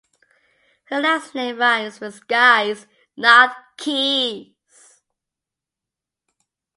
Her last name rhymes with "skies," not "keys.